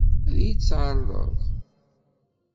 Ad iyi-tt-teɛṛeḍ?